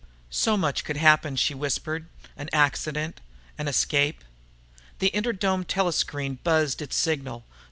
"So much could happen," she whispered. "An accident, an escape...." The inter dome telescreen buzzed its signal.